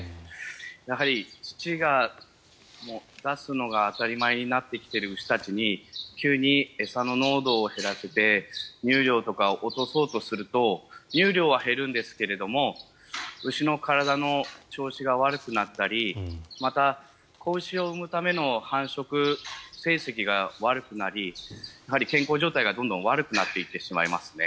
やはり乳を出すのが当たり前になってきている牛たちに急に餌の濃度を減らして乳量とかを落とそうとすると乳量は減るんですが牛の体の調子が悪くなったりまた、子牛を生むための繁殖成績が悪くなり健康状態がどんどん悪くなっていってしまいますね。